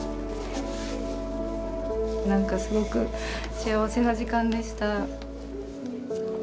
何かすごく幸せな時間でした。